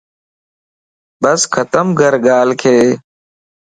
بس ختم ڪر ڳالھک